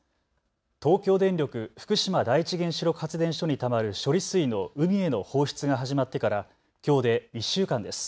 東京電力福島第一原子力発電所にたまる処理水の海への放出が始まってからきょうで１週間です。